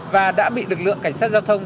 và đã bị lực lượng cảnh sát giao thông